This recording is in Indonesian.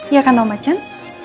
iya kan om acan